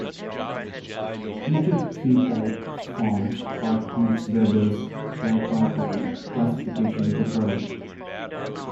Each of the three types forms part of Max Weber's tripartite classification of authority.